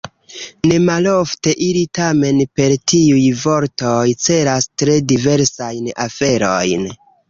Nemalofte ili tamen per tiuj vortoj celas tre diversajn aferojn.